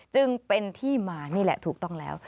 จึงเป็นที่มานี่แหละถูกต้องแล้ว